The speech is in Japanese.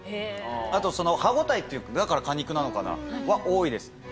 あとその歯応えっていうかだから果肉なのかな？は多いです。